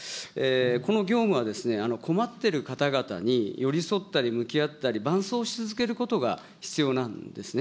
この業務は困ってる方々に寄り添ったり、向き合ったり、伴走し続けることが、必要なんですね。